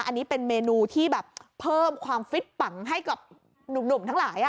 อันนี้เป็นเมนูที่แบบเพิ่มความฟิตปังให้กับหนุ่มทั้งหลาย